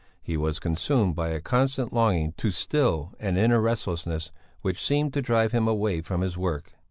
He was consumed by a constant longing to still an inner restlessness which seemed to drive him away from his work.